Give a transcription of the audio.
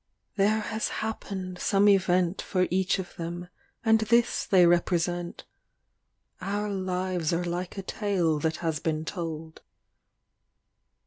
There has happened some event For each of them, and this they represent Our lives are like a tale that has been told.